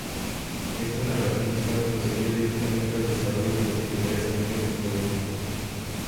Esta "narración visual" precedió directamente al desarrollo de las primeras imágenes en movimiento.